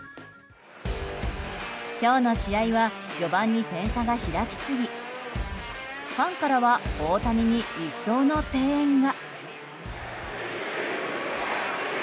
今日の試合は序盤に点差が開きすぎファンからは大谷に一層の声援が。